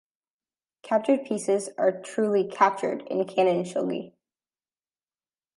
Captured pieces are truly "captured" in cannon shogi.